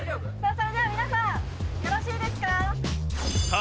それでは皆さんよろしいですか？